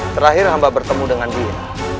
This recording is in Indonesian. terakhir amba bertemu dengan dia